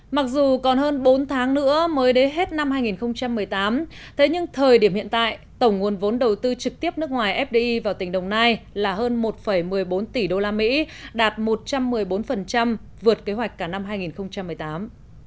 mặc dù còn hơn bốn tháng nữa mới đến hết năm hai nghìn một mươi tám thế nhưng thời điểm hiện tại tổng nguồn vốn đầu tư trực tiếp nước ngoài fdi vào tỉnh đồng nai là hơn một một mươi bốn tỷ usd đạt một trăm một mươi bốn vượt kế hoạch cả năm hai nghìn một mươi tám